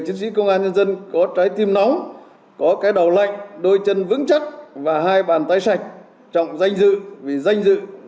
đặc biệt coi trọng công an nhân dân thật sự trong sạch